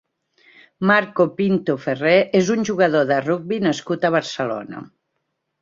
Marco Pinto Ferrer és un jugador de rugbi nascut a Barcelona.